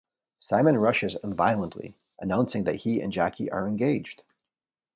Simon rushes in violently, announcing that he and Jackie are engaged.